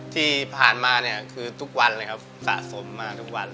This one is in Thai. ที่ผ่านมาเนี่ยคือทุกวันเลยครับสะสมมาทุกวัน